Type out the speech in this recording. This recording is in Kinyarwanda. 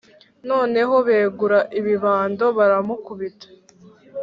noneho begura ibibando baramukubita,